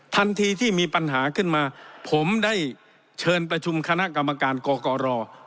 ทันทีที่มีปัญหาขึ้นมาผมได้เชิญประชุมคณะกรรมการกกร